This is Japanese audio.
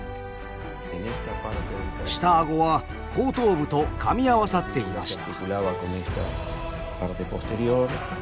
下顎は後頭部とかみ合わさっていました。